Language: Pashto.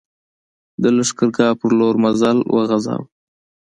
د لښکرګاه پر لور مزل وغځاوه.